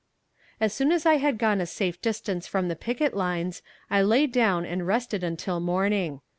As soon as I had gone a safe distance from the picket lines I lay down and rested until morning.